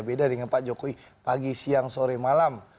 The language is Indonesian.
beda dengan pak jokowi pagi siang sore malam